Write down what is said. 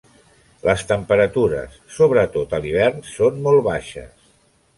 Les temperatures, sobretot a l'hivern, són molt baixes.